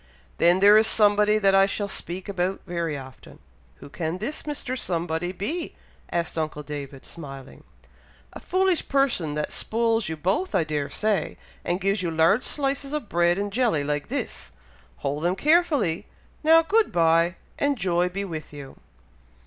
"Then there is somebody that I shall speak about very often." "Who can this Mr. Somebody be?" asked uncle David, smiling. "A foolish person that spoils you both I dare say, and gives you large slices of bread and jelly like this. Hold them carefully! Now, good bye, and joy be with you."